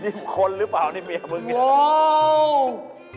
นี่คนหรือเปล่านี่เมียมึงเนี่ย